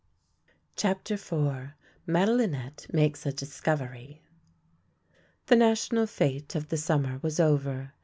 3 CHAPTER IV MADELINETTE MAKES A DISCOVERY THE national fete of the summer was over.